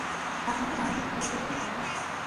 আপনাকে জানানোর কোন সুযোগই পাই নি।